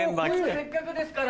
せっかくですから。